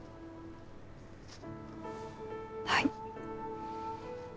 はい。